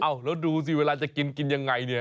เอาแล้วดูสิเวลาจะกินกินยังไงเนี่ย